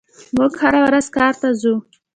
موږ هره ورځ کار ته ځو.